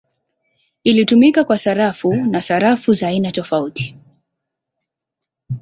Ilitumika kwa sarafu na sarafu za aina tofauti.